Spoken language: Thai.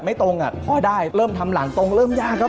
ไม่ตรงอ่ะพ่อได้เริ่มทำหลานตรงเริ่มยากครับ